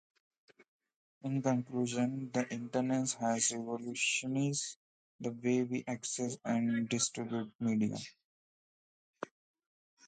In conclusion, the Internet has revolutionized the way we access and distribute media.